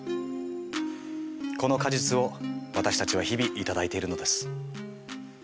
この果実を私たちは日々頂いているのです。